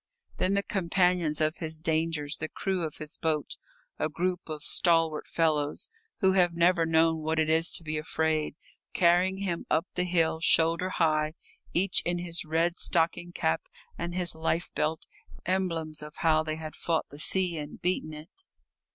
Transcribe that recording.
Then the companions of his dangers, the crew of his boat, a group of stalwart fellows who have never known what it is to be afraid, carrying him up the hill, shoulder high, each in his red stocking cap and his life belt, emblems of how they had fought the sea and beaten it.